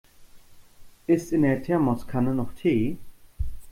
Ist in der Thermoskanne noch Tee?